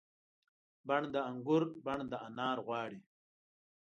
بڼ د انګور بڼ د انار غواړي